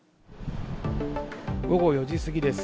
午後４時過ぎです。